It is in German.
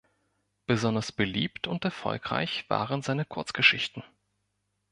Besonders beliebt und erfolgreich waren seine Kurzgeschichten.